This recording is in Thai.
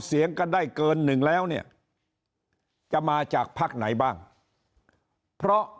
เสียงกันได้เกินหนึ่งแล้วเนี่ยจะมาจากภักดิ์ไหนบ้างเพราะ